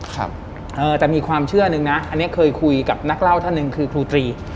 แต่มีความเชื่อนึงนะอันนี้เคยคุยกับนักเล่าท่านหนึ่งคือครูตรี